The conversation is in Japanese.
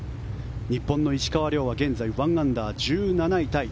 日本の石川遼は現在１アンダー１７位タイ。